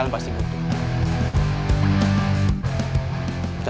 uang itu bisa dikumpulin sama ada ada